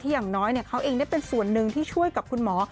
อย่างน้อยเขาเองได้เป็นส่วนหนึ่งที่ช่วยกับคุณหมอ